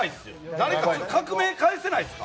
誰か革命返せないですか？